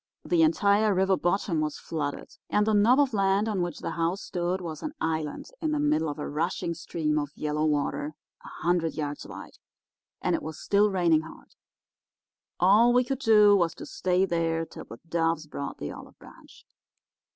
The entire river bottom was flooded, and the knob of land on which the house stood was an island in the middle of a rushing stream of yellow water a hundred yards wide. And it was still raining hard. All we could do was to stay there till the doves brought in the olive branch.